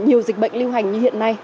nhiều dịch bệnh lưu hành như hiện nay